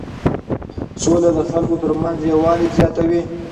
سوله د خلکو ترمنځ یووالی زیاتوي.